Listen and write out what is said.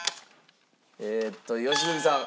えっと良純さん。